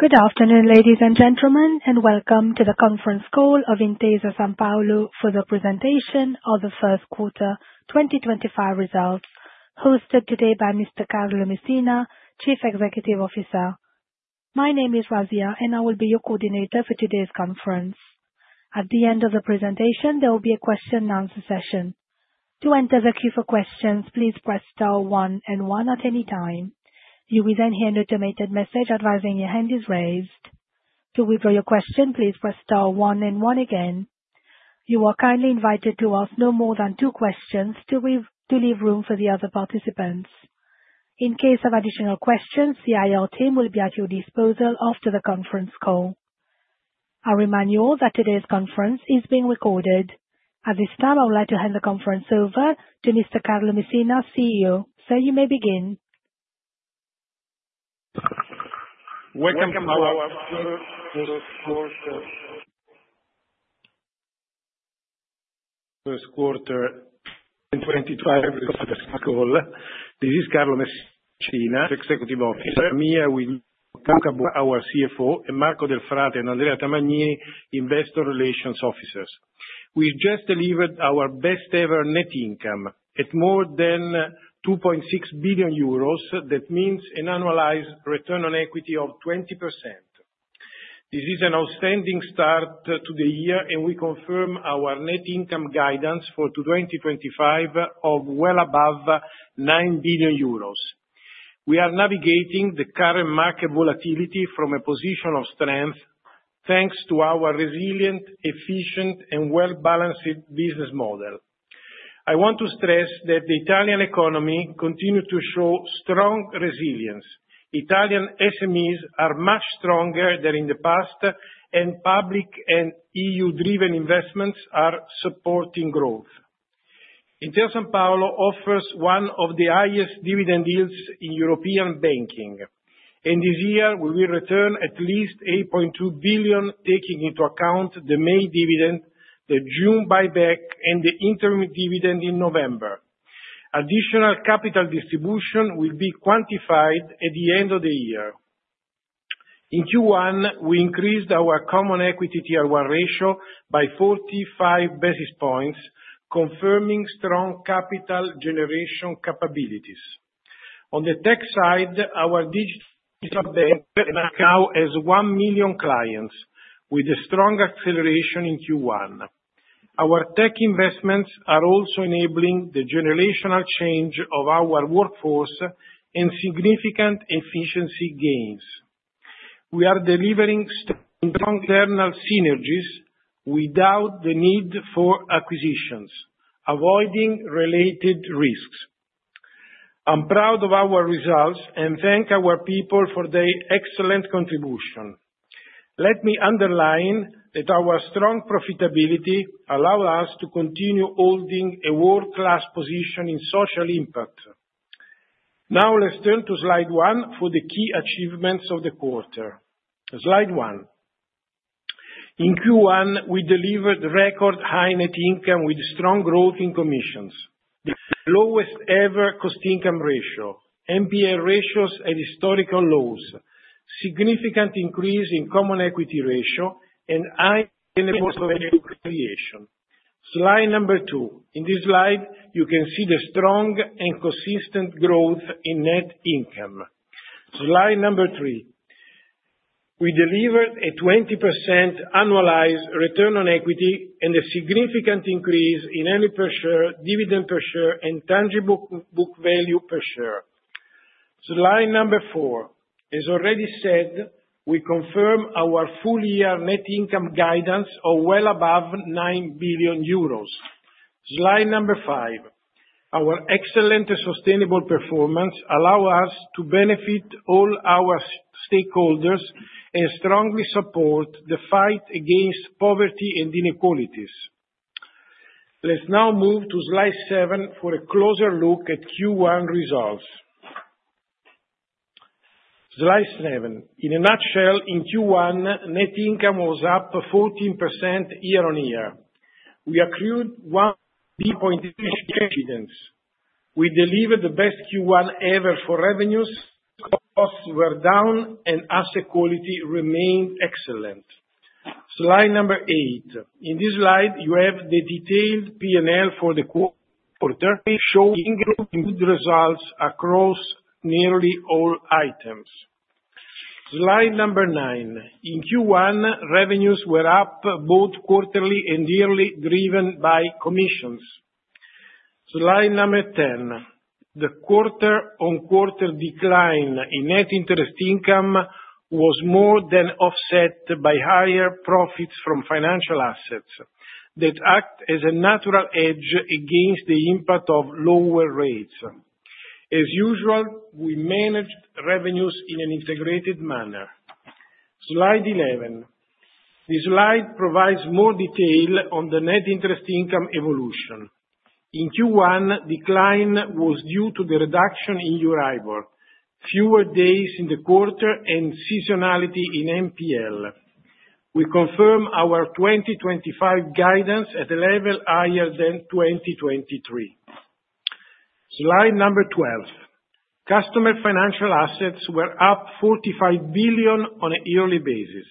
Good afternoon, ladies and gentlemen, and welcome to the conference call of Intesa Sanpaolo for the presentation of the first quarter 2025 results, hosted today by Mr. Carlo Messina, Chief Executive Officer. My name is Razia, and I will be your coordinator for today's conference. At the end of the presentation, there will be a question-and-answer session. To enter the queue for questions, please press star one and one at any time. You will then hear an automated message advising your hand is raised. To withdraw your question, please press star one and one again. You are kindly invited to ask no more than two questions to leave room for the other participants. In case of additional questions, the IR team will be at your disposal after the conference call. I remind you all that today's conference is being recorded. At this time, I would like to hand the conference over to Mr. Carlo Messina, CEO, so you may begin. Welcome to our first quarter 2025 conference call. This is Carlo Messina, Chief Executive Officer. I'm here with Luca Bocca, our CFO, and Marco Delfrate and Andrea Tamagnini, Investor Relations Officers. We just delivered our best-ever net income at more than 2.6 billion euros. That means an annualized return on equity of 20%. This is an outstanding start to the year, and we confirm our net income guidance for 2025 of well above 9 billion euros. We are navigating the current market volatility from a position of strength, thanks to our resilient, efficient, and well-balanced business model. I want to stress that the Italian economy continues to show strong resilience. Italian SMEs are much stronger than in the past, and public and EU-driven investments are supporting growth. Intesa Sanpaolo offers one of the highest dividend yields in European banking, and this year we will return at least 8.2 billion, taking into account the May dividend, the June buyback, and the interim dividend in November. Additional capital distribution will be quantified at the end of the year. In Q1, we increased our common equity Tier 1 ratio by 45 basis points, confirming strong capital generation capabilities. On the tech side, our digital bank now has 1 million clients, with a strong acceleration in Q1. Our tech investments are also enabling the generational change of our workforce and significant efficiency gains. We are delivering strong internal synergies without the need for acquisitions, avoiding related risks. I'm proud of our results and thank our people for their excellent contribution. Let me underline that our strong profitability allows us to continue holding a world-class position in social impact. Now, let's turn to slide one for the key achievements of the quarter. Slide one. In Q1, we delivered record-high net income with strong growth in commissions, the lowest-ever cost-income ratio, NPA ratios at historical lows, significant increase in common equity ratio, and high net worth value appreciation. Slide number two. In this slide, you can see the strong and consistent growth in net income. Slide number three. We delivered a 20% annualized return on equity and a significant increase in earnings per share, dividend per share, and tangible book value per share. Slide number four. As already said, we confirm our full-year net income guidance of well above 9 billion euros. Slide number five. Our excellent sustainable performance allows us to benefit all our stakeholders and strongly support the fight against poverty and inequalities. Let's now move to slide seven for a closer look at Q1 results. Slide seven. In a nutshell, in Q1, net income was up 14% year-on-year. We accrued 1.3 billion in dividends. We delivered the best Q1 ever for revenues. Costs were down, and asset quality remained excellent. Slide number eight. In this slide, you have the detailed P&L for the quarter, showing good results across nearly all items. Slide number nine. In Q1, revenues were up both quarterly and yearly, driven by commissions. Slide number 10. The quarter-on-quarter decline in net interest income was more than offset by higher profits from financial assets that act as a natural hedge against the impact of lower rates. As usual, we managed revenues in an integrated manner. Slide 11. This slide provides more detail on the net interest income evolution. In Q1, the decline was due to the reduction in Euribor, fewer days in the quarter, and seasonality in NPL. We confirm our 2025 guidance at a level higher than 2023. Slide number 12. Customer financial assets were up 45 billion on a yearly basis.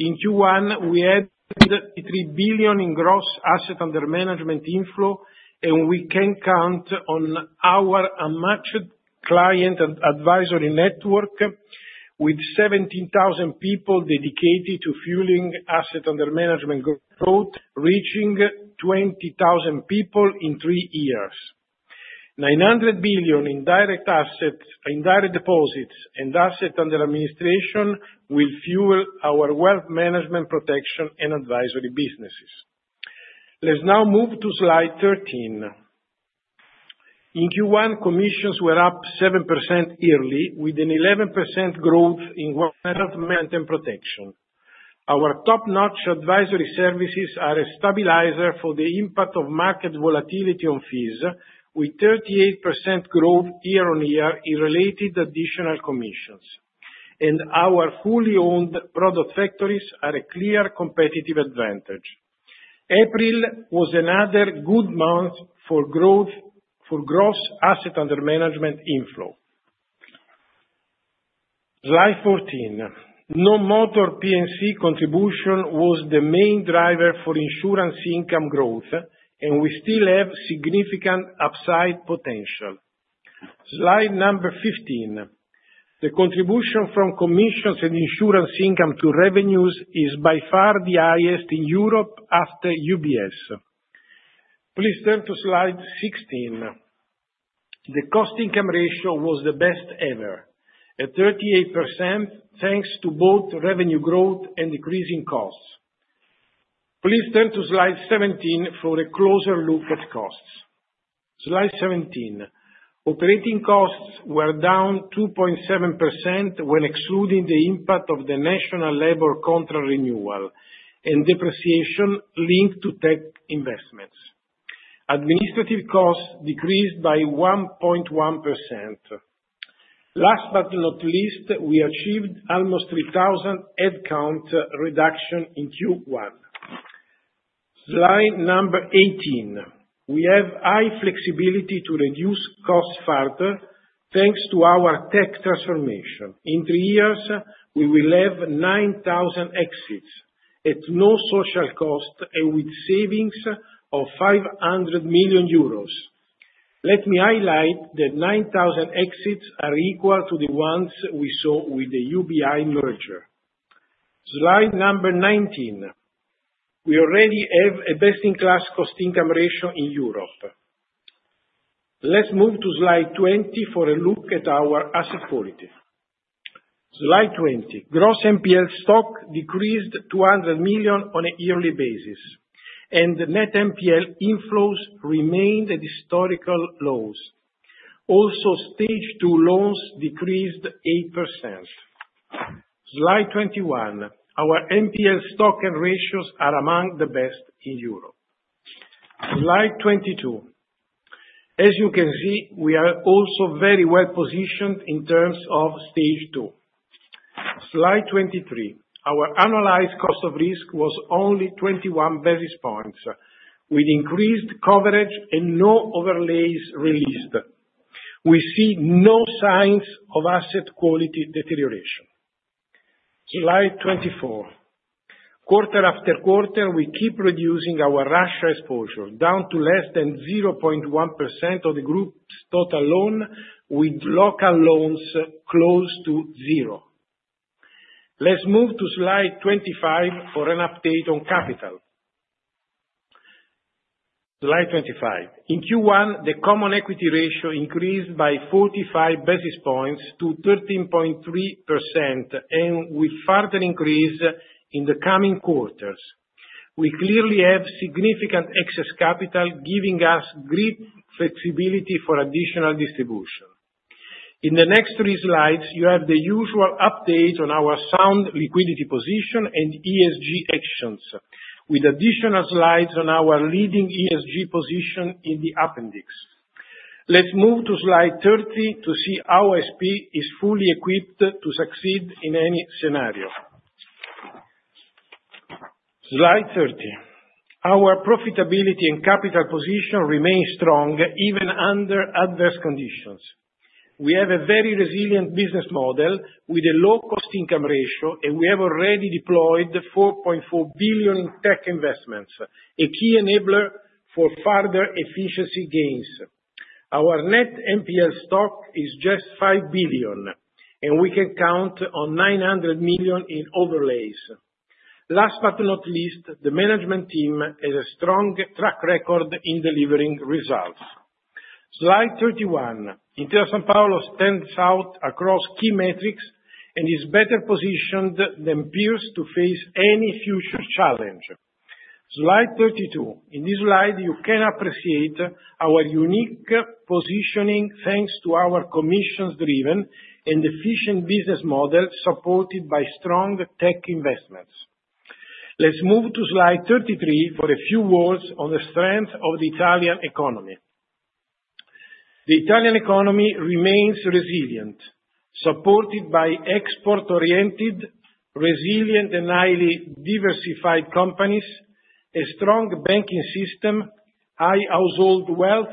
In Q1, we added 33 billion in gross asset under management inflow, and we can count on our unmatched client and advisory network with 17,000 people dedicated to fueling asset under management growth, reaching 20,000 people in three years. 900 billion in direct assets, indirect deposits, and asset under administration will fuel our wealth management protection and advisory businesses. Let's now move to slide 13. In Q1, commissions were up 7% yearly, with an 11% growth in wealth management and protection. Our top-notch advisory services are a stabilizer for the impact of market volatility on fees, with 38% growth year-on-year in related additional commissions, and our fully owned product factories are a clear competitive advantage. April was another good month for growth for gross asset under management inflow. Slide 14. No motor P&C contribution was the main driver for insurance income growth, and we still have significant upside potential. Slide number 15. The contribution from commissions and insurance income to revenues is by far the highest in Europe after UBS. Please turn to slide 16. The cost-income ratio was the best ever, at 38%, thanks to both revenue growth and decreasing costs. Please turn to slide 17 for a closer look at costs. Slide 17. Operating costs were down 2.7% when excluding the impact of the national labor contract renewal and depreciation linked to tech investments. Administrative costs decreased by 1.1%. Last but not least, we achieved almost 3,000 headcount reduction in Q1. Slide number 18. We have high flexibility to reduce costs further, thanks to our tech transformation. In three years, we will have 9,000 exits at no social cost and with savings of 500 million euros. Let me highlight that 9,000 exits are equal to the ones we saw with the UBI merger. Slide number 19. We already have a best-in-class cost-income ratio in Europe. Let's move to slide 20 for a look at our asset quality. Slide 20. Gross NPL stock decreased 200 million on a yearly basis, and net NPL inflows remained at historical lows. Also, Stage 2 loans decreased 8%. Slide 21. Our NPL stock and ratios are among the best in Europe. Slide 22. As you can see, we are also very well positioned in terms of Stage 2. Slide 23. Our annualized cost of risk was only 21 basis points, with increased coverage and no overlays released. We see no signs of asset quality deterioration. Slide 24. Quarter after quarter, we keep reducing our Russia exposure, down to less than 0.1% of the group's total loan, with local loans close to zero. Let's move to slide 25 for an update on capital. Slide 25. In Q1, the common equity ratio increased by 45 basis points to 13.3%, and with further increase in the coming quarters. We clearly have significant excess capital, giving us great flexibility for additional distribution. In the next three slides, you have the usual update on our sound liquidity position and ESG actions, with additional slides on our leading ESG position in the appendix. Let's move to slide 30 to see how SP is fully equipped to succeed in any scenario. Slide 30. Our profitability and capital position remain strong even under adverse conditions. We have a very resilient business model with a low cost-income ratio, and we have already deployed 4.4 billion in tech investments, a key enabler for further efficiency gains. Our net NPL stock is just 5 billion, and we can count on 900 million in overlays. Last but not least, the management team has a strong track record in delivering results. Slide 31. Intesa Sanpaolo stands out across key metrics and is better positioned than peers to face any future challenge. Slide 32. In this slide, you can appreciate our unique positioning, thanks to our commissions-driven and efficient business model supported by strong tech investments. Let's move to slide 33 for a few words on the strength of the Italian economy. The Italian economy remains resilient, supported by export-oriented, resilient and highly diversified companies, a strong banking system, high household wealth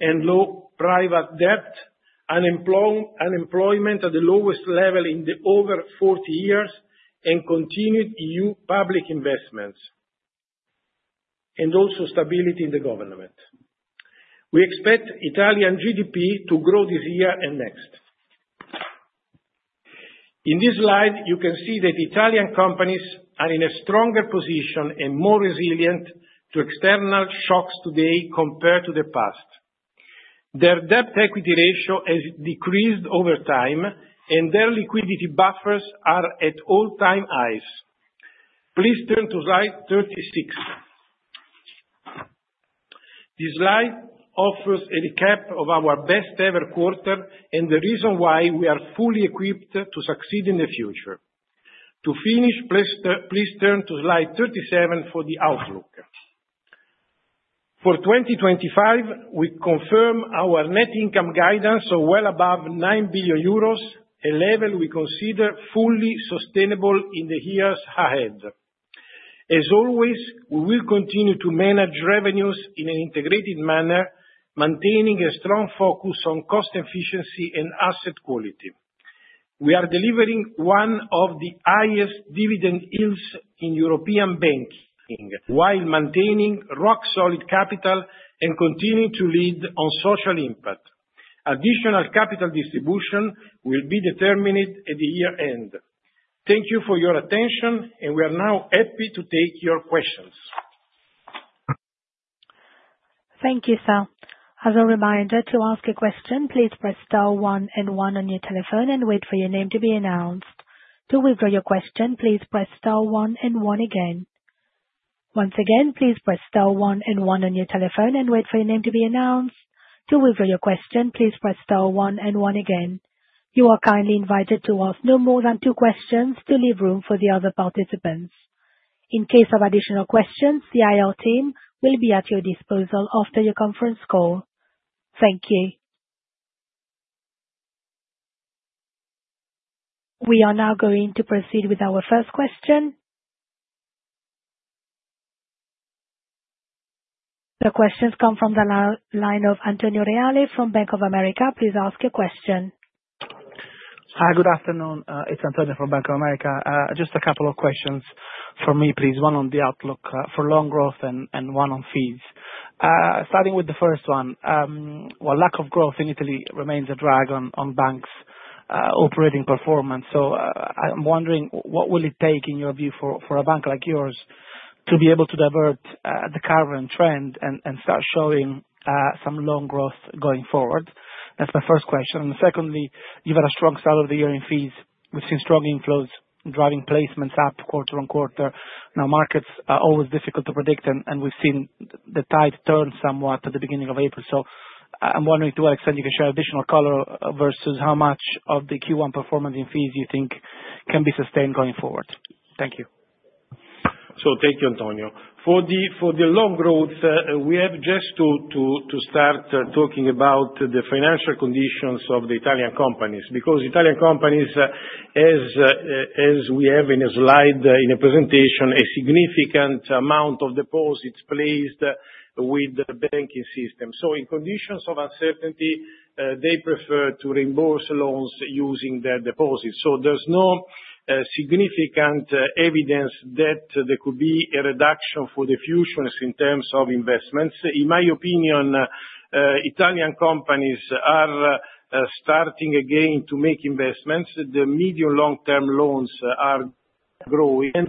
and low private debt, unemployment at the lowest level in over 40 years, and continued EU public investments, and also stability in the government. We expect Italian GDP to grow this year and next. In this slide, you can see that Italian companies are in a stronger position and more resilient to external shocks today compared to the past. Their debt-to-equity ratio has decreased over time, and their liquidity buffers are at all-time highs. Please turn to slide 36. This slide offers a recap of our best-ever quarter and the reason why we are fully equipped to succeed in the future. To finish, please turn to slide 37 for the outlook. For 2025, we confirm our net income guidance of well above 9 billion euros, a level we consider fully sustainable in the years ahead. As always, we will continue to manage revenues in an integrated manner, maintaining a strong focus on cost efficiency and asset quality. We are delivering one of the highest dividend yields in European banking while maintaining rock-solid capital and continuing to lead on social impact. Additional capital distribution will be determined at the year-end. Thank you for your attention, and we are now happy to take your questions. Thank you, sir. As a reminder, to ask a question, please press star one and one on your telephone and wait for your name to be announced. To withdraw your question, please press star one and one again. Once again, please press star one and one on your telephone and wait for your name to be announced. To withdraw your question, please press star one and one again. You are kindly invited to ask no more than two questions to leave room for the other participants. In case of additional questions, the IR team will be at your disposal after your conference call. Thank you. We are now going to proceed with our first question. The questions come from the line of Antonio Reale, from Bank of America. Please ask your question. Hi, good afternoon. It's Antonio from Bank of America. Just a couple of questions for me, please. One on the outlook for loan growth and one on fees. Starting with the first one. Lack of growth in Italy remains a drag on banks' operating performance. I'm wondering, what will it take, in your view, for a bank like yours to be able to divert the current trend and start showing some loan growth going forward? That's my first question. Secondly, you've had a strong start of the year in fees. We've seen strong inflows driving placements up quarter-on-quarter. Now, markets are always difficult to predict, and we've seen the tide turn somewhat at the beginning of April. I'm wondering to what extent you can share additional color versus how much of the Q1 performance in fees you think can be sustained going forward. Thank you. Thank you, Antonio. For the loan growth, we have just to start talking about the financial conditions of the Italian companies because Italian companies, as we have in a slide in a presentation, a significant amount of deposits placed with the banking system. In conditions of uncertainty, they prefer to reimburse loans using their deposits. There is no significant evidence that there could be a reduction for the futures in terms of investments. In my opinion, Italian companies are starting again to make investments. The medium-long-term loans are growing, and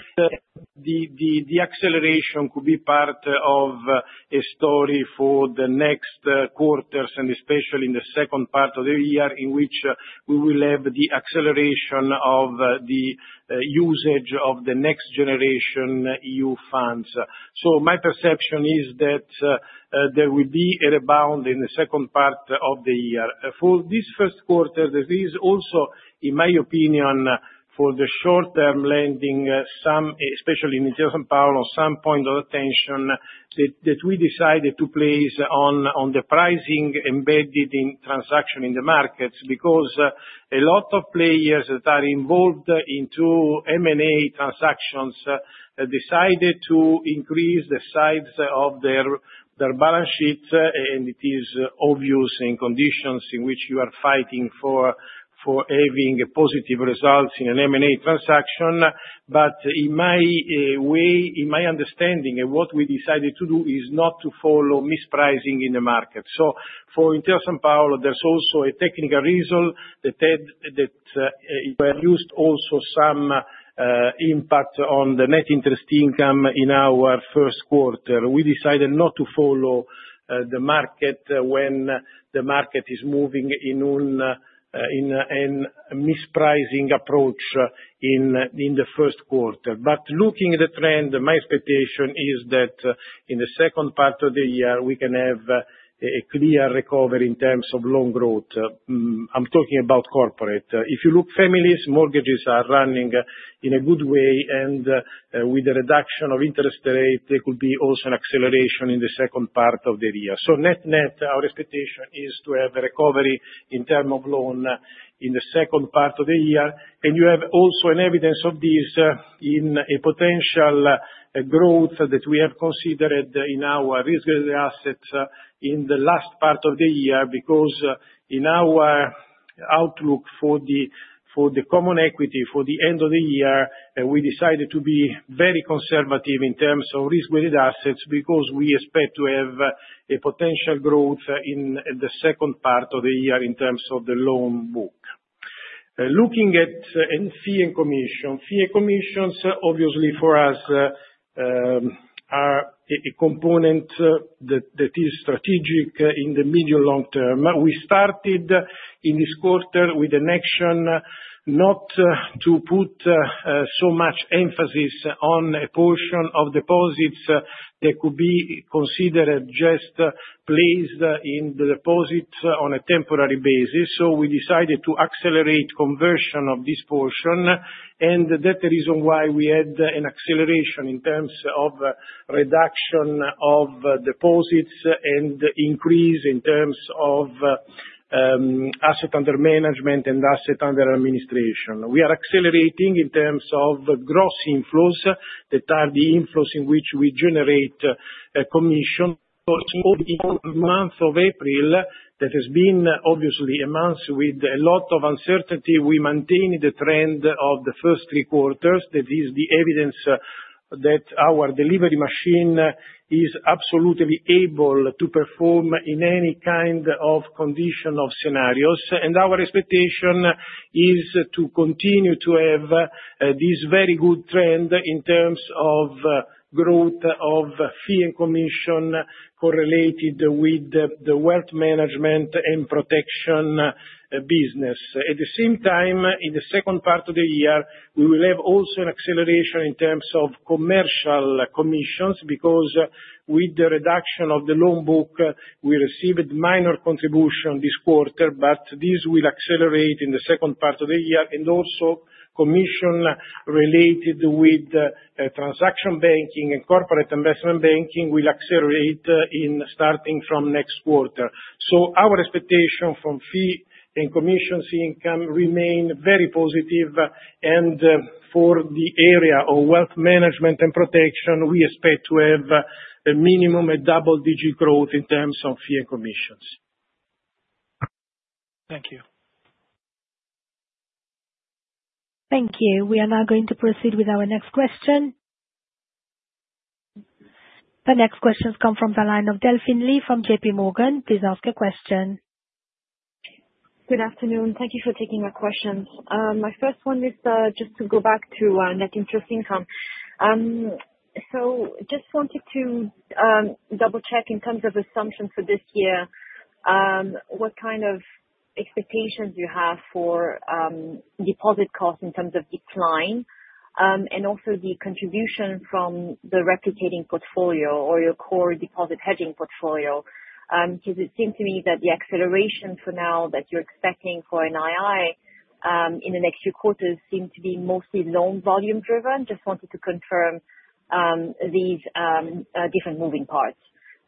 the acceleration could be part of a story for the next quarters, especially in the second part of the year, in which we will have the acceleration of the usage of the next generation EU funds. My perception is that there will be a rebound in the second part of the year. For this first quarter, there is also, in my opinion, for the short-term lending, especially in Intesa Sanpaolo, some point of attention that we decided to place on the pricing embedded in transactions in the markets because a lot of players that are involved in two M&A transactions decided to increase the size of their balance sheet, and it is obvious in conditions in which you are fighting for having positive results in an M&A transaction. In my way, in my understanding, what we decided to do is not to follow mispricing in the market. For Intesa Sanpaolo, there's also a technical reason that it will use also some impact on the net interest income in our first quarter. We decided not to follow the market when the market is moving in a mispricing approach in the first quarter. Looking at the trend, my expectation is that in the second part of the year, we can have a clear recovery in terms of loan growth. I'm talking about corporate. If you look at families, mortgages are running in a good way, and with the reduction of interest rates, there could be also an acceleration in the second part of the year. Net-net, our expectation is to have a recovery in terms of loan in the second part of the year. You have also an evidence of this in a potential growth that we have considered in our risk-weighted assets in the last part of the year because in our outlook for the common equity for the end of the year, we decided to be very conservative in terms of risk-weighted assets because we expect to have a potential growth in the second part of the year in terms of the loan book. Looking at fee and commission, fee and commissions, obviously, for us, are a component that is strategic in the medium-long term. We started in this quarter with an action not to put so much emphasis on a portion of deposits that could be considered just placed in the deposits on a temporary basis. We decided to accelerate conversion of this portion, and that's the reason why we had an acceleration in terms of reduction of deposits and increase in terms of asset under management and asset under administration. We are accelerating in terms of gross inflows that are the inflows in which we generate commission. For the month of April, that has been obviously a month with a lot of uncertainty, we maintained the trend of the first three quarters. That is the evidence that our delivery machine is absolutely able to perform in any kind of condition of scenarios. Our expectation is to continue to have this very good trend in terms of growth of fee and commission correlated with the wealth management and protection business. At the same time, in the second part of the year, we will have also an acceleration in terms of commercial commissions because with the reduction of the loan book, we received minor contribution this quarter, but this will accelerate in the second part of the year. Also, commission related with transaction banking and corporate investment banking will accelerate starting from next quarter. Our expectation from fee and commissions income remains very positive. For the area of wealth management and protection, we expect to have a minimum double-digit growth in terms of fee and commissions. Thank you. Thank you. We are now going to proceed with our next question. The next questions come from the line of Delphine Lee from JPMorgan. Please ask a question. Good afternoon. Thank you for taking our questions. My first one is just to go back to net interest income. I just wanted to double-check in terms of assumptions for this year, what kind of expectations you have for deposit costs in terms of decline and also the contribution from the replicating portfolio or your core deposit hedging portfolio? Because it seems to me that the acceleration for now that you're expecting for NII in the next few quarters seems to be mostly loan volume-driven. I just wanted to confirm these different moving parts.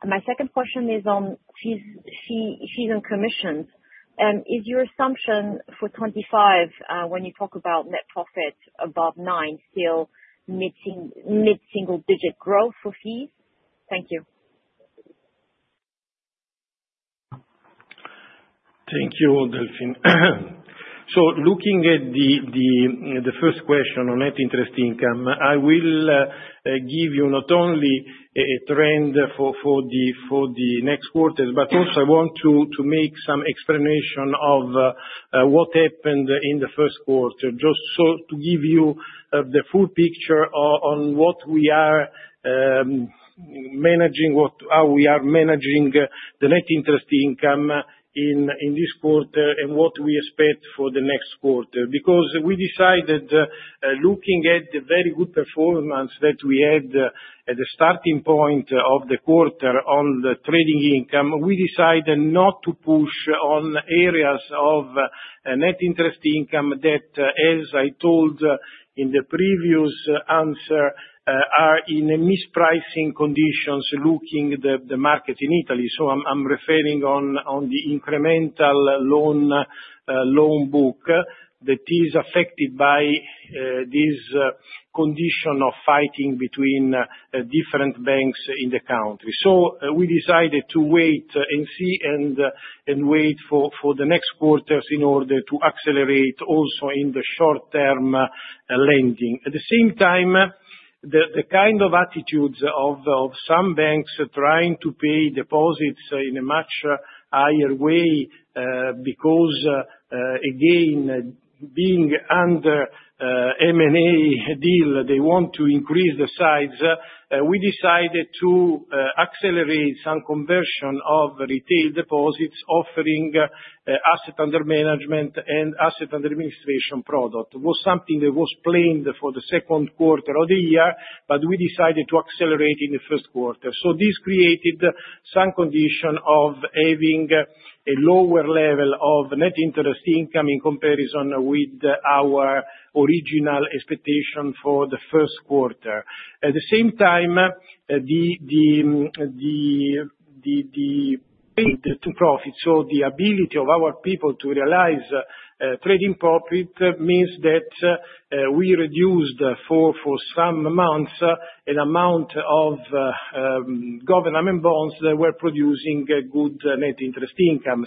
My second question is on fees and commissions. Is your assumption for 2025, when you talk about net profit above nine, still mid-single-digit growth for fees? Thank you. Thank you, Delphine. Looking at the first question on net interest income, I will give you not only a trend for the next quarters, but also I want to make some explanation of what happened in the first quarter, just to give you the full picture on how we are managing the net interest income in this quarter and what we expect for the next quarter. Because we decided, looking at the very good performance that we had at the starting point of the quarter on the trading income, we decided not to push on areas of net interest income that, as I told in the previous answer, are in mispricing conditions looking at the market in Italy. I am referring to the incremental loan book that is affected by this condition of fighting between different banks in the country. We decided to wait and see and wait for the next quarters in order to accelerate also in the short-term lending. At the same time, the kind of attitudes of some banks trying to pay deposits in a much higher way because, again, being under M&A deal, they want to increase the size, we decided to accelerate some conversion of retail deposits offering asset under management and asset under administration product. It was something that was planned for the second quarter of the year, but we decided to accelerate in the first quarter. This created some condition of having a lower level of net interest income in comparison with our original expectation for the first quarter. At the same time, the profits, so the ability of our people to realize trading profit means that we reduced for some months an amount of government bonds that were producing good net interest income.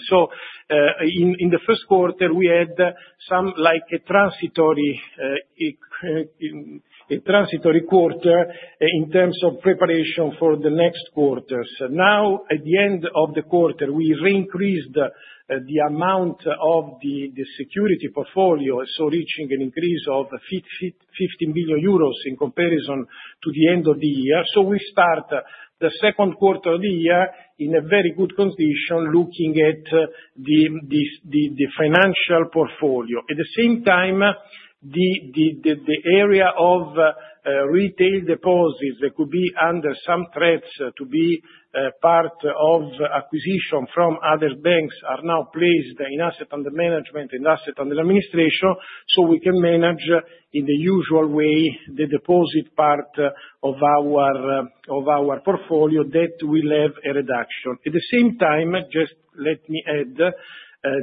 In the first quarter, we had some transitory quarter in terms of preparation for the next quarters. Now, at the end of the quarter, we reincreased the amount of the security portfolio, reaching an increase of 15 billion euros in comparison to the end of the year. We start the second quarter of the year in a very good condition, looking at the financial portfolio. At the same time, the area of retail deposits that could be under some threats to be part of acquisition from other banks are now placed in asset under management and asset under administration, so we can manage in the usual way the deposit part of our portfolio that will have a reduction. At the same time, just let me add,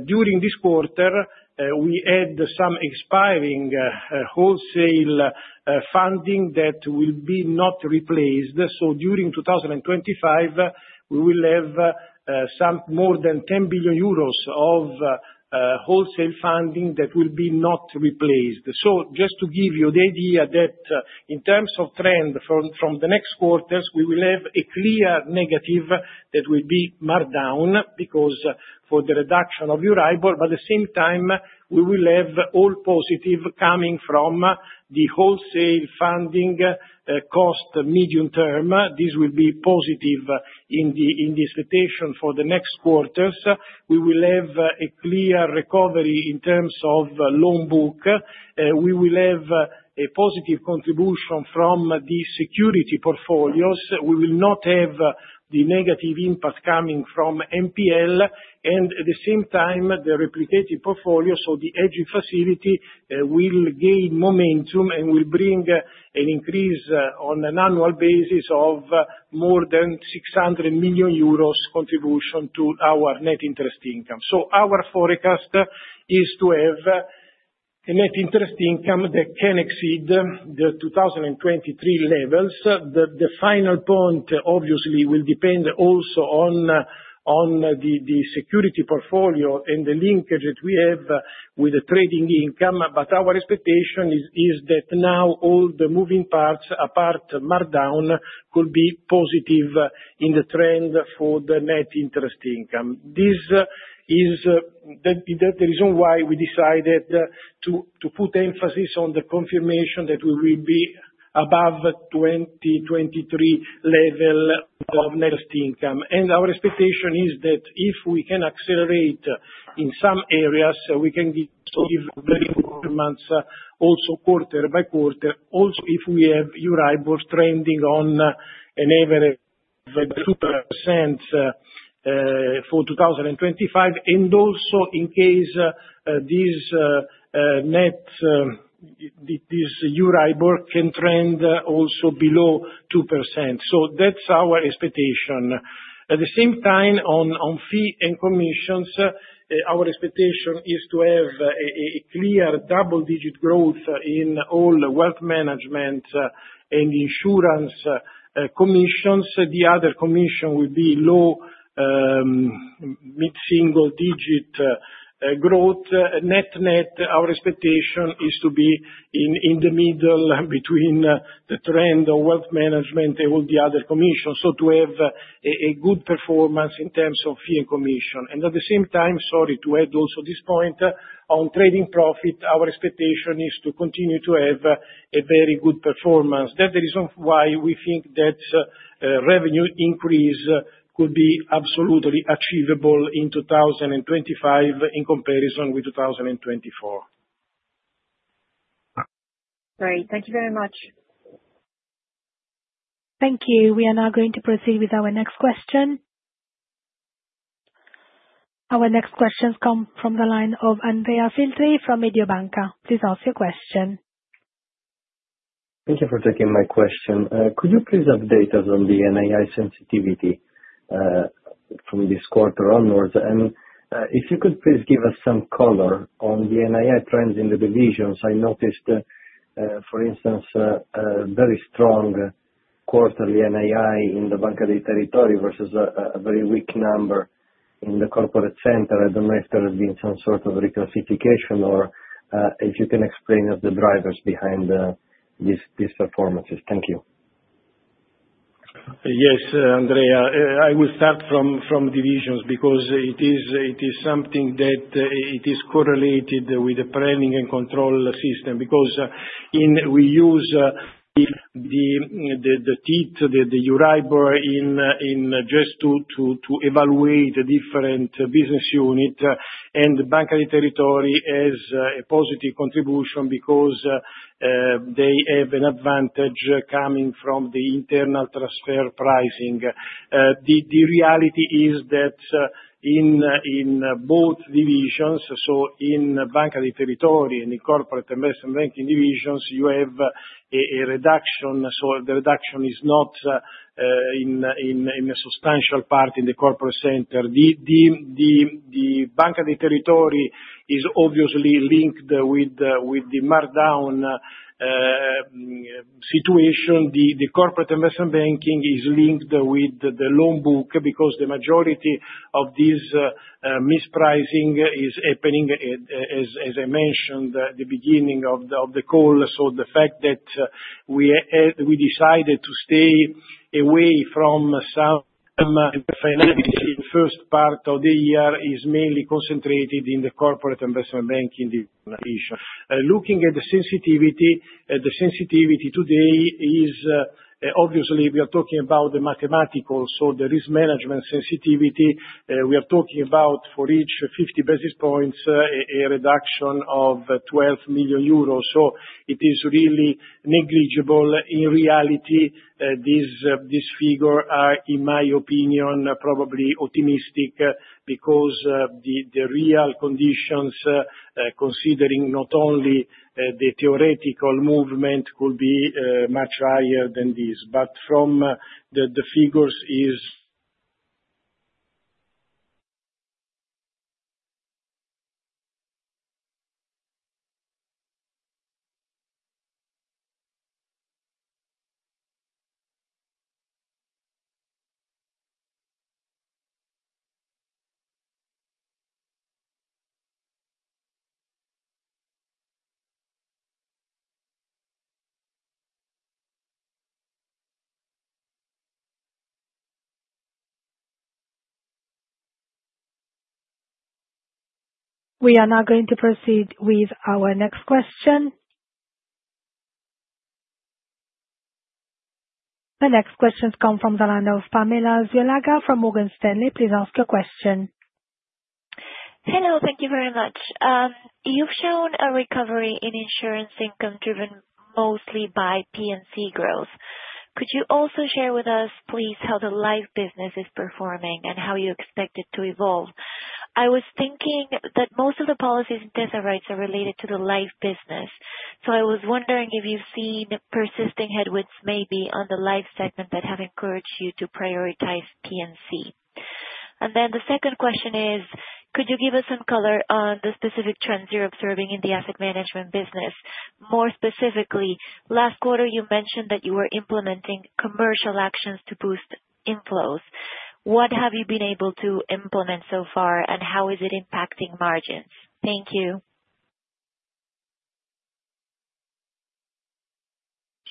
during this quarter, we had some expiring wholesale funding that will be not replaced. During 2025, we will have some more than 10 billion euros of wholesale funding that will be not replaced. Just to give you the idea that in terms of trend from the next quarters, we will have a clear negative that will be marked down because for the reduction of Euribor, but at the same time, we will have all positive coming from the wholesale funding cost medium-term. This will be positive in the expectation for the next quarters. We will have a clear recovery in terms of loan book. We will have a positive contribution from the security portfolios. We will not have the negative impact coming from NPL. At the same time, the replicating portfolio, so the hedging facility, will gain momentum and will bring an increase on an annual basis of more than 600 million euros contribution to our net interest income. Our forecast is to have a net interest income that can exceed the 2023 levels. The final point, obviously, will depend also on the security portfolio and the linkage that we have with the trading income. Our expectation is that now all the moving parts, apart from markdown, could be positive in the trend for the net interest income. This is the reason why we decided to put emphasis on the confirmation that we will be above 2023 level of net interest income. Our expectation is that if we can accelerate in some areas, we can give very good performance also quarter by quarter, also if we have Euribor trending on an average of 2% for 2025. Also, in case this Euribor can trend below 2%. That is our expectation. At the same time, on fee and commissions, our expectation is to have a clear double-digit growth in all wealth management and insurance commissions. The other commission will be low, mid-single-digit growth. Net-net, our expectation is to be in the middle between the trend of wealth management and all the other commissions, to have a good performance in terms of fee and commission. At the same time, sorry to add also this point, on trading profit, our expectation is to continue to have a very good performance. That is the reason why we think that revenue increase could be absolutely achievable in 2025 in comparison with 2024. Great. Thank you very much. Thank you. We are now going to proceed with our next question. Our next questions come from the line of Andrea Filtri from Mediobanca. Please ask your question. Thank you for taking my question. Could you please update us on the NII sensitivity from this quarter onwards? And if you could please give us some color on the NII trends in the divisions. I noticed, for instance, a very strong quarterly NII in the Bank of the Territory versus a very weak number in the corporate center. I don't know if there has been some sort of reclassification or if you can explain the drivers behind these performances. Thank you. Yes, Andrea. I will start from divisions because it is something that is correlated with the planning and control system because we use the TIT, the Euribor, just to evaluate different business units and the Bank of the Territory as a positive contribution because they have an advantage coming from the internal transfer pricing. The reality is that in both divisions, in Bank of the Territory and in Corporate and Investment Banking divisions, you have a reduction. The reduction is not in a substantial part in the corporate center. The Bank of the Territory is obviously linked with the markdown situation. The corporate investment banking is linked with the loan book because the majority of this mispricing is happening, as I mentioned at the beginning of the call. The fact that we decided to stay away from some financial first part of the year is mainly concentrated in the corporate investment banking division. Looking at the sensitivity, the sensitivity today is obviously we are talking about the mathematical. There is management sensitivity. We are talking about for each 50 basis points, a reduction of 12 million euros. It is really negligible. In reality, this figure, in my opinion, probably optimistic because the real conditions, considering not only the theoretical movement, could be much higher than this. From the figures is. We are now going to proceed with our next question. The next questions come from the line of Pamela Zuluaga from Morgan Stanley. Please ask your question. Hello. Thank you very much. You've shown a recovery in insurance income driven mostly by P&C growth. Could you also share with us, please, how the life business is performing and how you expect it to evolve? I was thinking that most of the policies and tests and rights are related to the life business. I was wondering if you've seen persisting headwinds maybe on the life segment that have encouraged you to prioritize P&C. The second question is, could you give us some color on the specific trends you're observing in the asset management business? More specifically, last quarter, you mentioned that you were implementing commercial actions to boost inflows. What have you been able to implement so far, and how is it impacting margins? Thank you.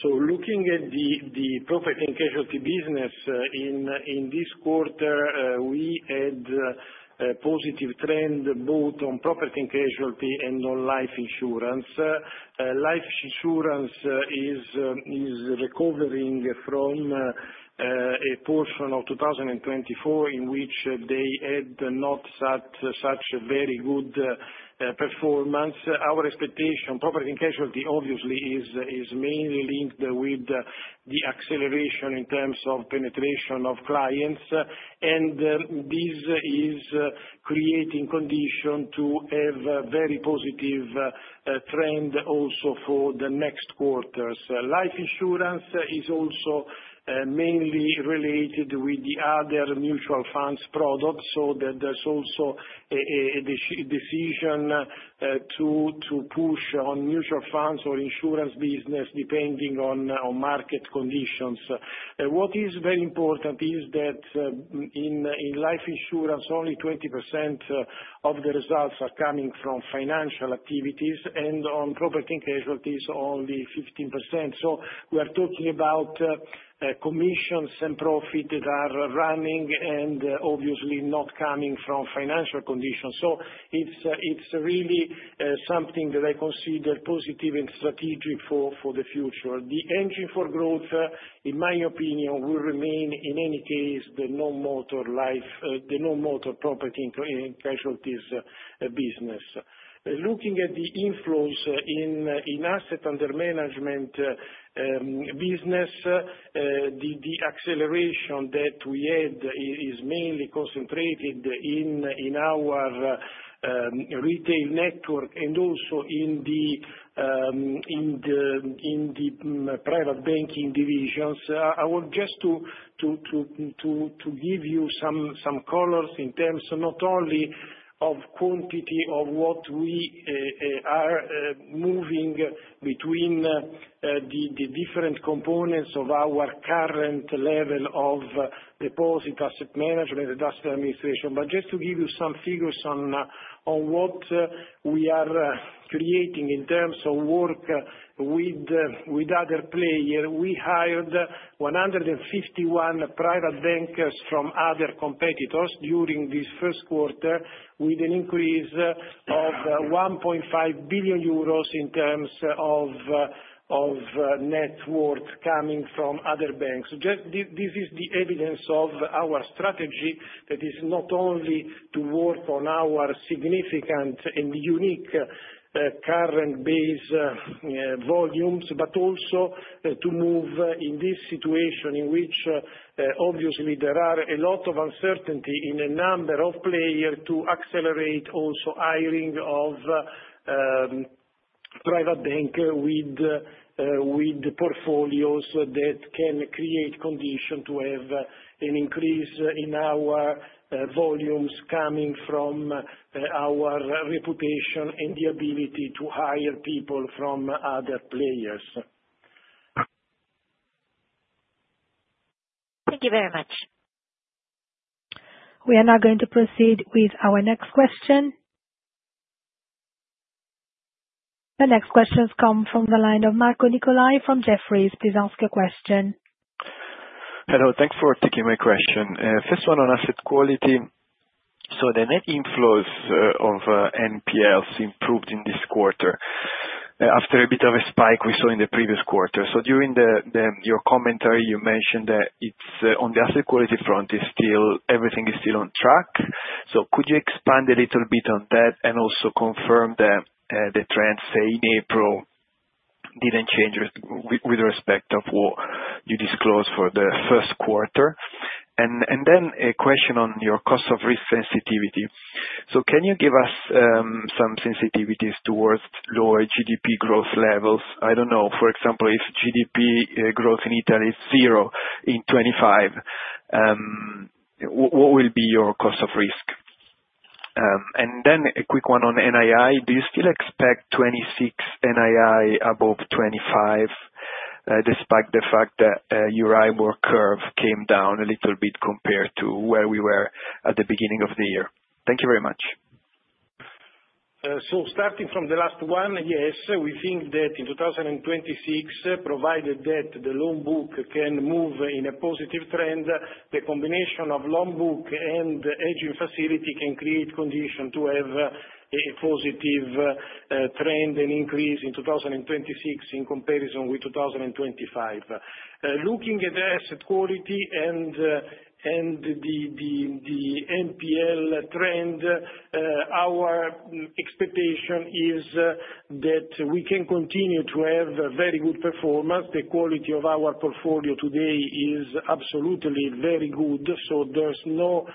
Looking at the property and casualty business in this quarter, we had a positive trend both on property and casualty and on life insurance. Life insurance is recovering from a portion of 2024 in which they had not such a very good performance. Our expectation, property and casualty, obviously is mainly linked with the acceleration in terms of penetration of clients. This is creating condition to have a very positive trend also for the next quarters. Life insurance is also mainly related with the other mutual funds products. There is also a decision to push on mutual funds or insurance business depending on market conditions. What is very important is that in life insurance, only 20% of the results are coming from financial activities, and on property and casualties, only 15%. We are talking about commissions and profit that are running and obviously not coming from financial conditions. It is really something that I consider positive and strategic for the future. The engine for growth, in my opinion, will remain in any case the non-motor property and casualties business. Looking at the inflows in asset under management business, the acceleration that we had is mainly concentrated in our retail network and also in the private banking divisions. I want just to give you some colors in terms not only of quantity of what we are moving between the different components of our current level of deposit asset management and asset administration. Just to give you some figures on what we are creating in terms of work with other players, we hired 151 private bankers from other competitors during this first quarter with an increase of 1.5 billion euros in terms of net worth coming from other banks. This is the evidence of our strategy that is not only to work on our significant and unique current base volumes, but also to move in this situation in which obviously there is a lot of uncertainty in a number of players to accelerate also hiring of private bankers with portfolios that can create condition to have an increase in our volumes coming from our reputation and the ability to hire people from other players. Thank you very much. We are now going to proceed with our next question. The next questions come from the line of Marco Nicolai from Jefferies. Please ask your question. Hello. Thanks for taking my question. First one on asset quality. The net inflows of NPLs improved in this quarter after a bit of a spike we saw in the previous quarter. During your commentary, you mentioned that on the asset quality front, everything is still on track. Could you expand a little bit on that and also confirm that the trend, say, in April did not change with respect to what you disclosed for the first quarter? A question on your cost of risk sensitivity. Can you give us some sensitivities towards lower GDP growth levels? I do not know. For example, if GDP growth in Italy is zero in 2025, what will be your cost of risk? A quick one on NII. Do you still expect 2026 NII above 2025 despite the fact that Euribor curve came down a little bit compared to where we were at the beginning of the year? Thank you very much. Starting from the last one, yes, we think that in 2026, provided that the loan book can move in a positive trend, the combination of loan book and hedging facility can create condition to have a positive trend and increase in 2026 in comparison with 2025. Looking at asset quality and the NPL trend, our expectation is that we can continue to have very good performance. The quality of our portfolio today is absolutely very good. There are no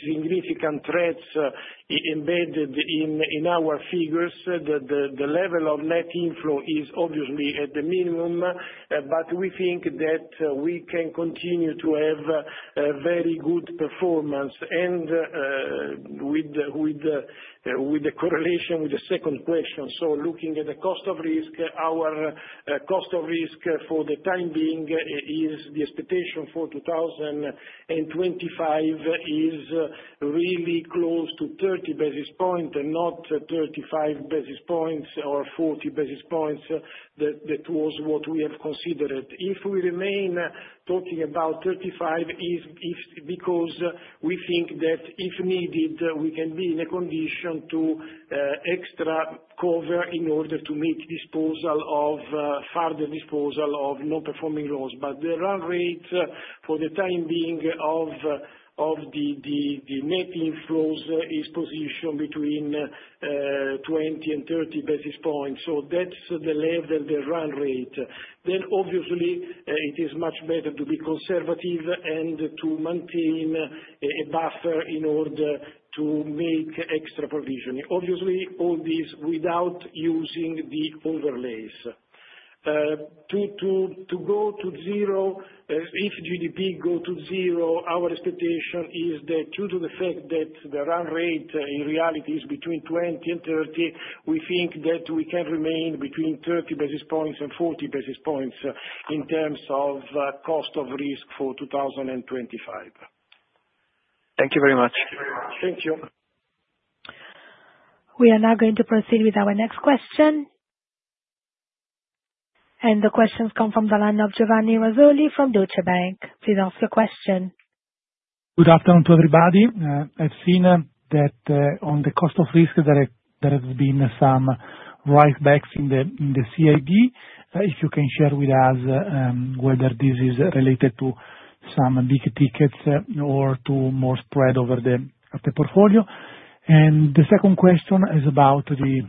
significant threats embedded in our figures. The level of net inflow is obviously at the minimum, but we think that we can continue to have very good performance. With the correlation with the second question, looking at the cost of risk, our cost of risk for the time being is the expectation for 2025 is really close to 30 basis points and not 35 basis points or 40 basis points that was what we have considered. If we remain talking about 35 basis points, it is because we think that if needed, we can be in a condition to extra cover in order to meet disposal of further disposal of non-performing loans. The run rate for the time being of the net inflows is positioned between 20 basis points and 30 basis points. That is the level of the run rate. Obviously, it is much better to be conservative and to maintain a buffer in order to make extra provision. Obviously, all this without using the overlays. To go to zero, if GDP goes to zero, our expectation is that due to the fact that the run rate in reality is between 20 basis points and 30 basis points, we think that we can remain between 30 basis points and 40 basis points in terms of cost of risk for 2025. Thank you very much. Thank you. We are now going to proceed with our next question. The questions come from the line of Giovanni Razzoli from Deutsche Bank. Please ask your question. Good afternoon to everybody. I've seen that on the cost of risk, there have been some write-backs in the CID. If you can share with us whether this is related to some big tickets or to more spread over the portfolio. The second question is about the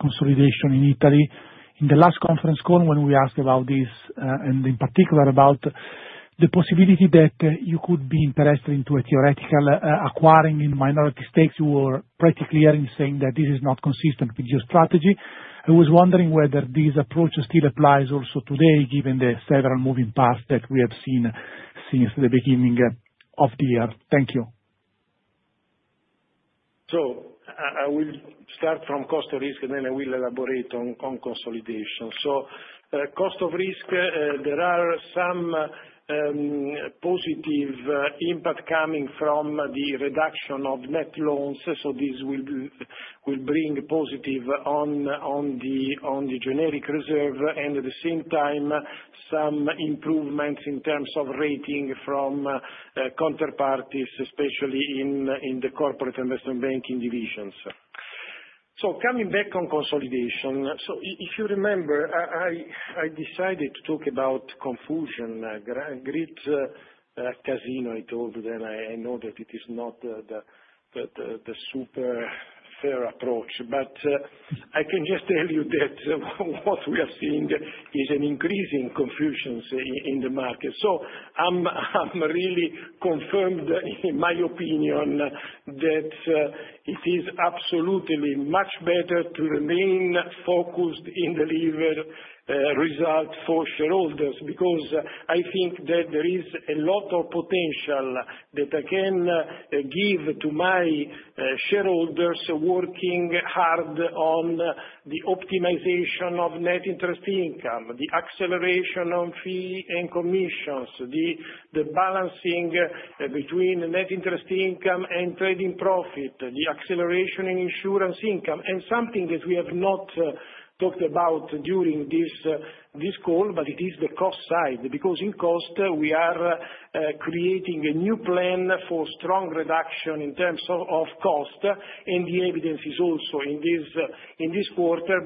consolidation in Italy. In the last conference call, when we asked about this and in particular about the possibility that you could be interested in a theoretical acquiring in minority stakes, you were pretty clear in saying that this is not consistent with your strategy. I was wondering whether this approach still applies also today given the several moving parts that we have seen since the beginning of the year. Thank you. I will start from cost of risk, and then I will elaborate on consolidation. Cost of risk, there are some positive impact coming from the reduction of net loans. This will bring positive on the generic reserve and at the same time some improvements in terms of rating from counterparties, especially in the corporate investment banking divisions. Coming back on consolidation. If you remember, I decided to talk about confusion. Great casino, I told you that. I know that it is not the super fair approach. I can just tell you that what we are seeing is an increase in confusions in the market. I am really confirmed, in my opinion, that it is absolutely much better to remain focused in the lever result for shareholders because I think that there is a lot of potential that I can give to my shareholders working hard on the optimization of net interest income, the acceleration on fee and commissions, the balancing between net interest income and trading profit, the acceleration in insurance income. Something that we have not talked about during this call is the cost side because in cost, we are creating a new plan for strong reduction in terms of cost. The evidence is also in this quarter.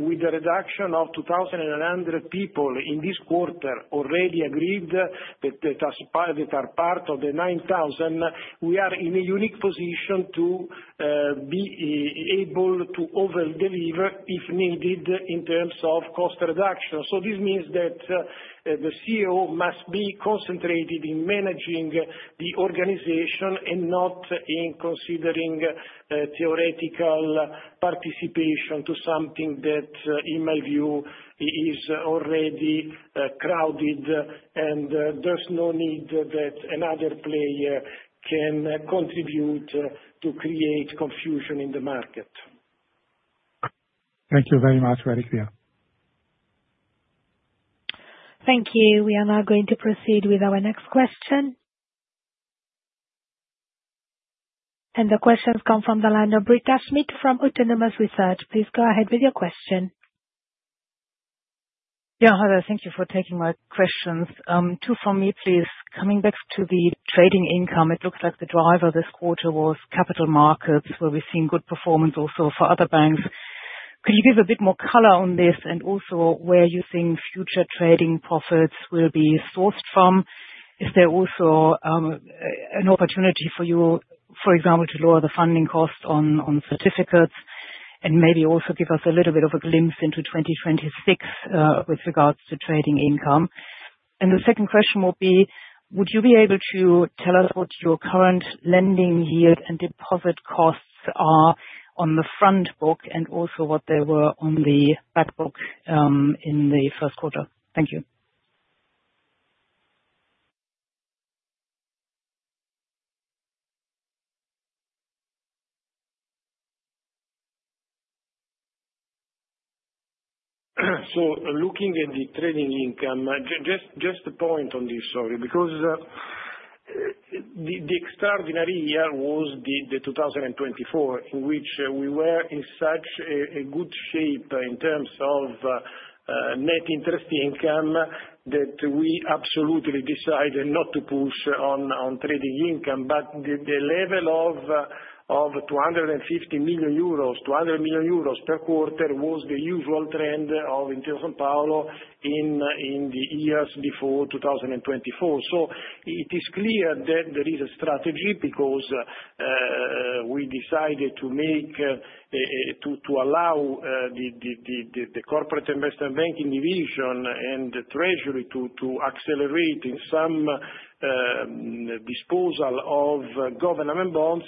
With the reduction of 2,100 people in this quarter already agreed that are part of the 9,000, we are in a unique position to be able to overdeliver if needed in terms of cost reduction. This means that the CEO must be concentrated in managing the organization and not in considering theoretical participation to something that, in my view, is already crowded and there is no need that another player can contribute to create confusion in the market. Thank you very much. Very clear. Thank you. We are now going to proceed with our next question. The questions come from the line of Britta Schmidt from Autonomous Research. Please go ahead with your question. Yeah, hello. Thank you for taking my questions. Two from me, please. Coming back to the trading income, it looks like the driver this quarter was capital markets where we've seen good performance also for other banks. Could you give a bit more color on this and also where you think future trading profits will be sourced from? Is there also an opportunity for you, for example, to lower the funding cost on certificates and maybe also give us a little bit of a glimpse into 2026 with regards to trading income? The second question will be, would you be able to tell us what your current lending yield and deposit costs are on the front book and also what they were on the back book in the first quarter? Thank you. Looking at the trading income, just a point on this, sorry, because the extraordinary year was 2024 in which we were in such a good shape in terms of net interest income that we absolutely decided not to push on trading income. The level of 250 million-200 million euros per quarter was the usual trend of Intesa Sanpaolo in the years before 2024. It is clear that there is a strategy because we decided to allow the corporate investment banking division and the treasury to accelerate in some disposal of government bonds.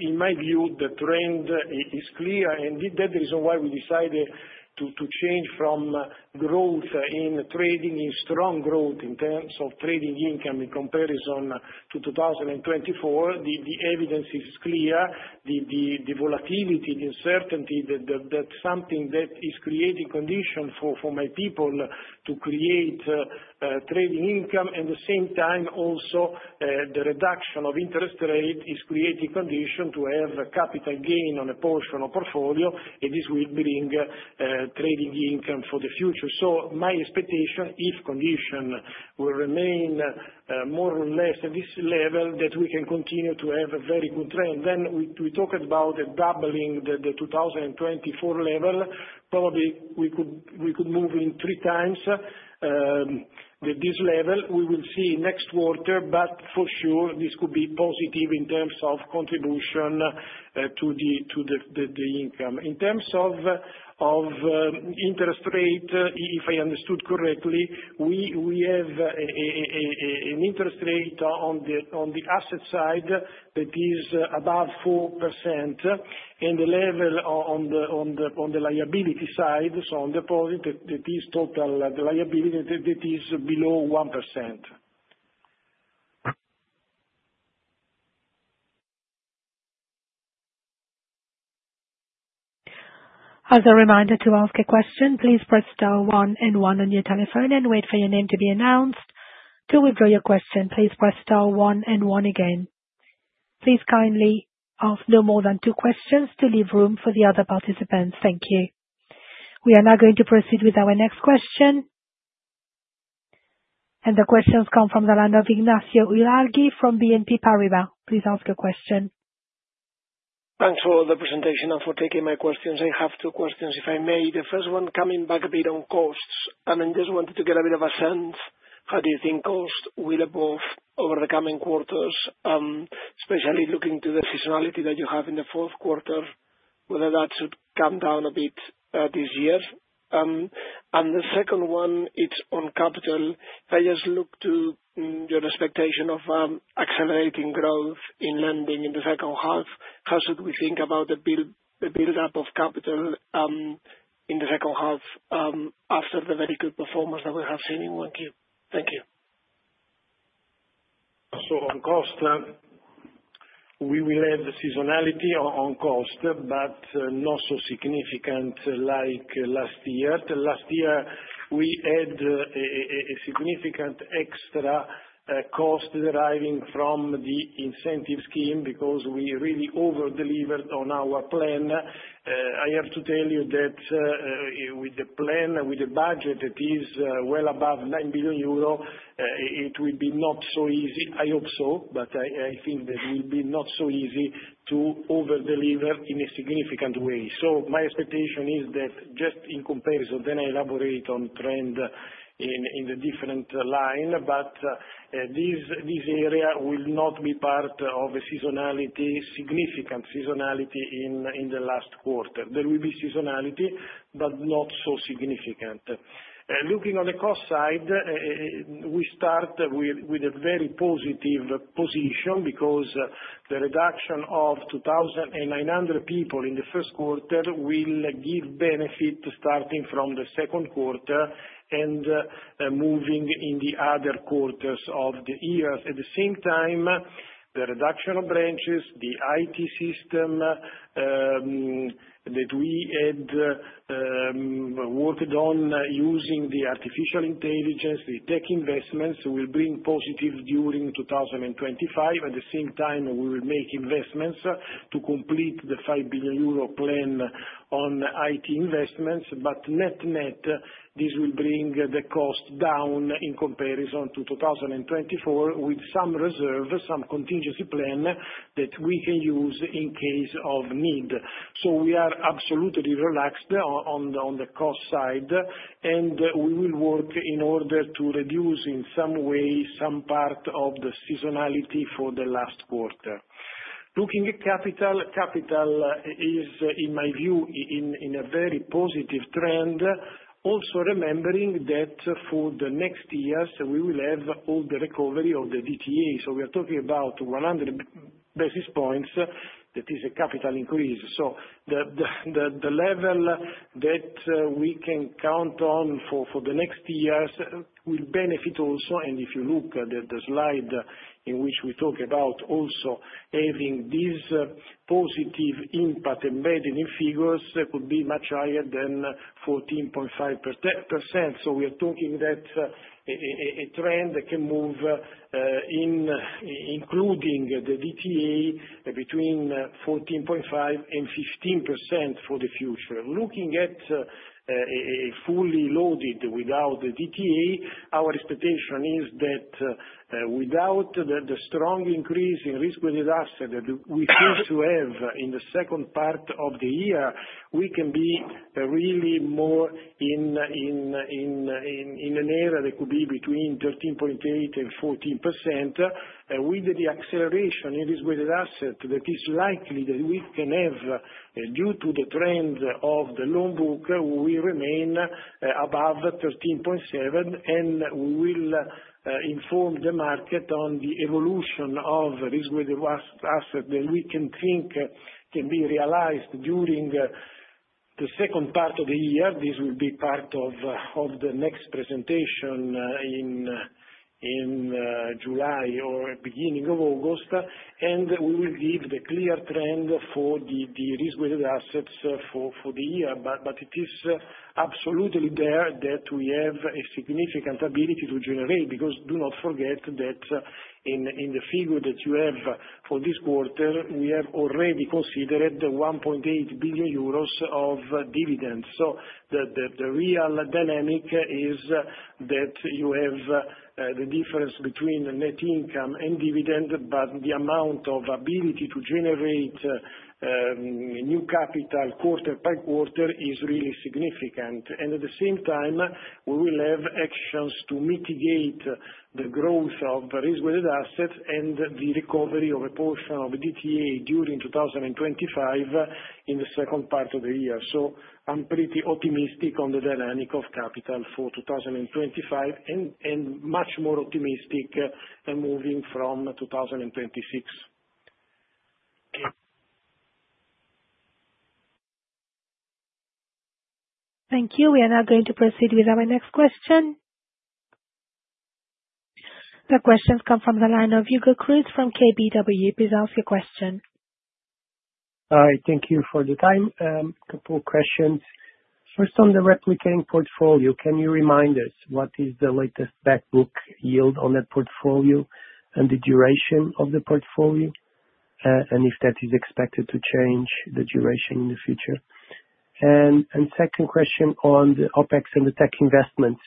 In my view, the trend is clear. That is why we decided to change from growth in trading to strong growth in terms of trading income in comparison to 2024. The evidence is clear. The volatility, the uncertainty, that is something that is creating condition for my people to create trading income and at the same time also the reduction of interest rate is creating condition to have capital gain on a portion of portfolio. This will bring trading income for the future. My expectation, if condition will remain more or less at this level, is that we can continue to have a very good trend. We talked about doubling the 2024 level. Probably we could move in 3x this level. We will see next quarter, but for sure this could be positive in terms of contribution to the income. In terms of interest rate, if I understood correctly, we have an interest rate on the asset side that is above 4% and the level on the liability side, so on deposit, that is total liability, that is below 1%. As a reminder to ask a question, please press star one and one on your telephone and wait for your name to be announced. To withdraw your question, please press star one and one again. Please kindly ask no more than two questions to leave room for the other participants. Thank you. We are now going to proceed with our next question. The questions come from the line of Ignacio Ulargui from BNP Paribas. Please ask your question. Thanks for the presentation and for taking my questions. I have two questions, if I may. The first one, coming back a bit on costs. I just wanted to get a bit of a sense, how do you think cost will evolve over the coming quarters, especially looking to the seasonality that you have in the fourth quarter, whether that should come down a bit this year. The second one, it's on capital. I just look to your expectation of accelerating growth in lending in the second half. How should we think about the build-up of capital in the second half after the very good performance that we have seen in one year? Thank you. On cost, we will add the seasonality on cost, but not so significant like last year. Last year, we had a significant extra cost deriving from the incentive scheme because we really overdelivered on our plan. I have to tell you that with the plan, with the budget that is well above 9 million euro, it will be not so easy. I hope so, but I think that it will be not so easy to overdeliver in a significant way. My expectation is that just in comparison, then I elaborate on trend in the different line. This area will not be part of a significant seasonality in the last quarter. There will be seasonality, but not so significant. Looking on the cost side, we start with a very positive position because the reduction of 2,900 people in the first quarter will give benefit starting from the second quarter and moving in the other quarters of the year. At the same time, the reduction of branches, the IT system that we had worked on using the artificial intelligence, the tech investments will bring positive during 2025. At the same time, we will make investments to complete the 5 billion euro plan on IT investments. Net net, this will bring the cost down in comparison to 2024 with some reserve, some contingency plan that we can use in case of need. We are absolutely relaxed on the cost side, and we will work in order to reduce in some way some part of the seasonality for the last quarter. Looking at capital, capital is, in my view, in a very positive trend, also remembering that for the next years, we will have all the recovery of the DTA. We are talking about 100 basis points. That is a capital increase. The level that we can count on for the next years will benefit also. If you look at the slide in which we talk about also having this positive impact embedded in figures, it could be much higher than 14.5%. We are talking that a trend that can move in including the DTA between 14.5%-15% for the future. Looking at fully loaded without the DTA, our expectation is that without the strong increase in risk-weighted assets that we seem to have in the second part of the year, we can be really more in an area that could be between 13.8% and 14%. With the acceleration in risk-weighted assets that is likely that we can have due to the trend of the loan book, we remain above 13.7%, and we will inform the market on the evolution of risk-weighted assets that we can think can be realized during the second part of the year. This will be part of the next presentation in July or beginning of August. We will give the clear trend for the risk-weighted assets for the year. It is absolutely there that we have a significant ability to generate because do not forget that in the figure that you have for this quarter, we have already considered 1.8 billion euros of dividends. The real dynamic is that you have the difference between net income and dividend, but the amount of ability to generate new capital quarter by quarter is really significant. At the same time, we will have actions to mitigate the growth of risk with assets and the recovery of a portion of DTA during 2025 in the second part of the year. I am pretty optimistic on the dynamic of capital for 2025 and much more optimistic than moving from 2026. Thank you. We are now going to proceed with our next question. The questions come from the line of Hugo Cruz from KBW. Please ask your question. Hi. Thank you for the time. Couple of questions. First, on the replicating portfolio, can you remind us what is the latest back book yield on that portfolio and the duration of the portfolio and if that is expected to change the duration in the future? Second question on the OpEx and the tech investments.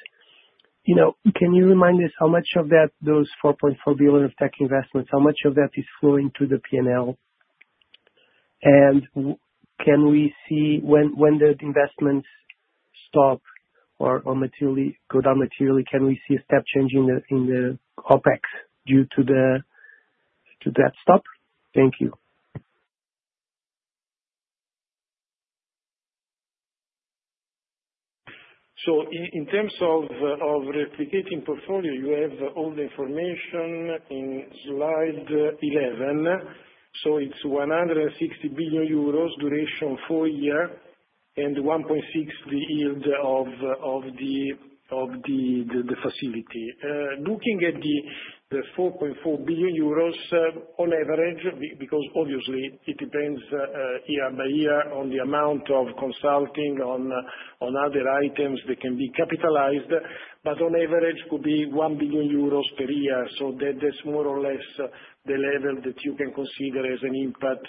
Can you remind us how much of those 4.4 billion of tech investments, how much of that is flowing to the P&L? Can we see when the investments stop or go down materially, can we see a step change in the OpEx due to that stop? Thank you. In terms of replicating portfolio, you have all the information in slide 11. It is EUR 160 billion, duration four years, and 1.6 the yield of the facility. Looking at the 4.4 billion euros on average, because obviously it depends year by year on the amount of consulting on other items that can be capitalized, but on average could be 1 billion euros per year. That is more or less the level that you can consider as an impact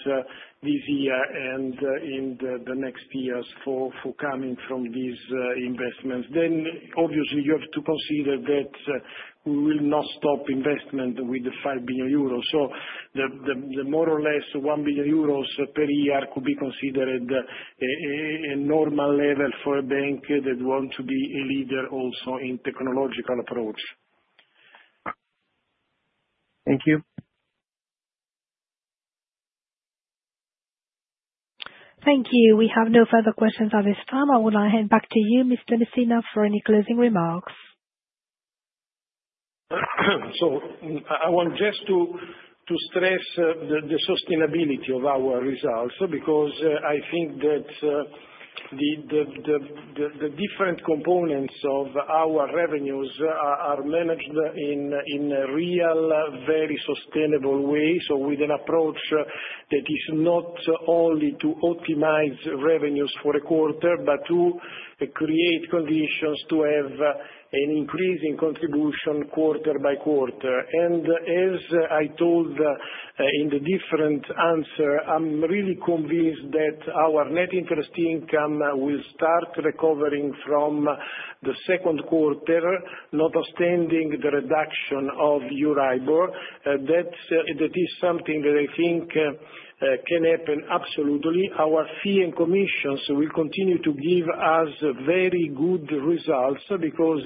this year and in the next years for coming from these investments. You have to consider that we will not stop investment with the 5 billion euros. More or less 1 billion euros per year could be considered a normal level for a bank that wants to be a leader also in technological approach. Thank you. Thank you. We have no further questions at this time. I will now hand back to you, Mr. Messina, for any closing remarks. I want just to stress the sustainability of our results because I think that the different components of our revenues are managed in a real, very sustainable way. With an approach that is not only to optimize revenues for a quarter, but to create conditions to have an increasing contribution quarter by quarter. As I told in the different answer, I'm really convinced that our net interest income will start recovering from the second quarter, notwithstanding the reduction of Euribor. That is something that I think can happen absolutely. Our fee and commissions will continue to give us very good results because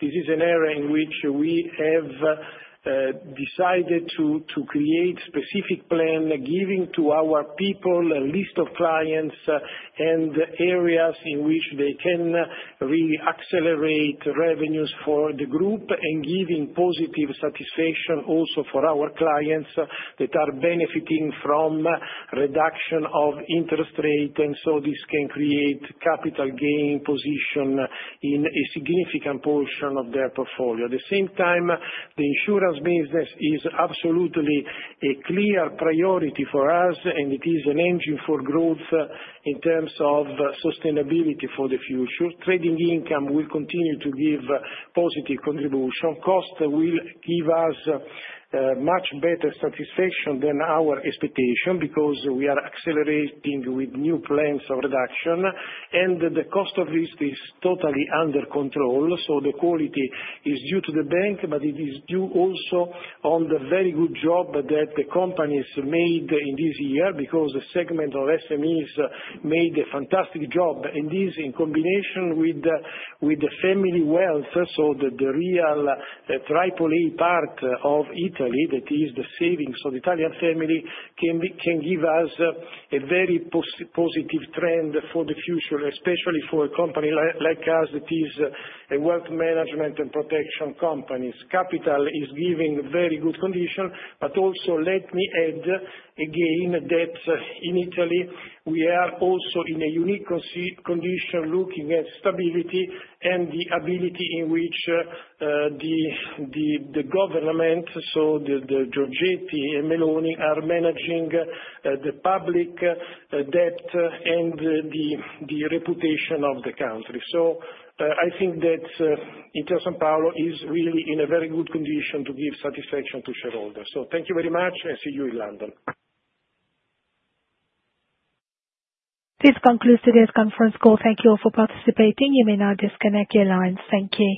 this is an area in which we have decided to create a specific plan giving to our people a list of clients and areas in which they can really accelerate revenues for the group and giving positive satisfaction also for our clients that are benefiting from reduction of interest rate. This can create capital gain position in a significant portion of their portfolio. At the same time, the insurance business is absolutely a clear priority for us, and it is an engine for growth in terms of sustainability for the future. Trading income will continue to give positive contribution. Cost will give us much better satisfaction than our expectation because we are accelerating with new plans of reduction. The cost of risk is totally under control. The quality is due to the bank, but it is due also to the very good job that the companies made in this year because the segment of SMEs made a fantastic job. This in combination with the family wealth, so the real AAA part of Italy that is the savings. The Italian family can give us a very positive trend for the future, especially for a company like us that is a wealth management and protection company. Capital is giving very good condition, but also let me add again that in Italy, we are also in a unique condition looking at stability and the ability in which the government, so Giorgetti and Meloni are managing the public debt and the reputation of the country. I think that Intesa Sanpaolo is really in a very good condition to give satisfaction to shareholders. Thank you very much, and see you in London. This concludes today's conference call. Thank you all for participating. You may now disconnect your lines. Thank you.